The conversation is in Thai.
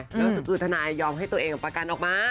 แล้วคือทนายยอมให้ตัวเองประกันออกมา